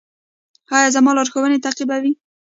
ایا زما لارښوونې تعقیبوئ؟